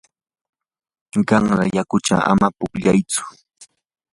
qanra yakuchaw ama pukllaytsu.